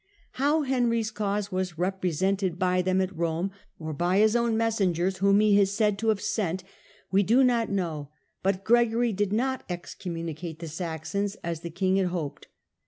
How Henry's cause was represented by them at Eome, or by his own messengers whom he is said to have sent, we do not know, but Gregory did not excom municate the Saxons, as the king had hoped.